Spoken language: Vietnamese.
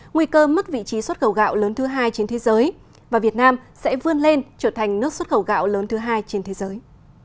nguy cơ mất vị trí xuất khẩu gạo lớn thứ hai trên thế giới và việt nam sẽ vươn lên trở thành nước xuất khẩu gạo lớn thứ hai trên thế giới